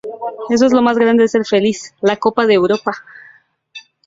Eso es lo más grande ser feliz: La Copa de Europa.